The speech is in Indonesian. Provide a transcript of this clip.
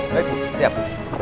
baik bu siap